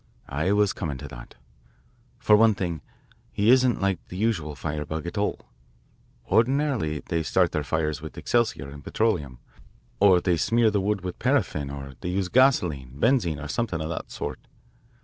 "I was coming to that. For one thing, he isn't like the usual firebug at all. Ordinarily they start their fires with excelsior and petroleum, or they smear the wood with paraffin or they use gasoline, benzine, or something of that sort.